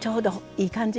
いい感じ。